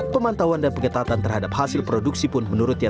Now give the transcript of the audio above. pemantauan dan pengetatan terhadap hasil produksi pun menurutnya